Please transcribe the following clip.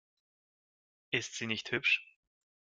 Ist sie nicht hübsch?